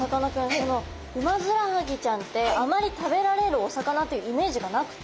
そのウマヅラハギちゃんってあまり食べられるお魚っていうイメージがなくて。